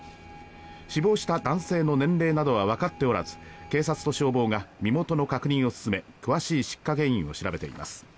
死亡した男性の年齢などはわかっておらず警察と消防が身元の確認を進め詳しい出火原因を調べています。